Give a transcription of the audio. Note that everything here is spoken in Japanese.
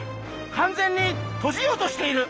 完全に閉じようとしている。